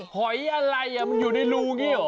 หอยอะไรมันอยู่ในรูนี่หรอ